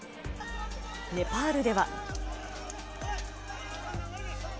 ネパールでは。